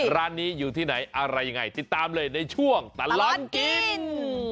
ร้านนี้อยู่ที่ไหนอะไรยังไงติดตามเลยในช่วงตลอดกิน